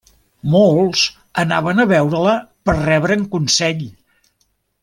Molts anaven a veure-la per rebre'n consell.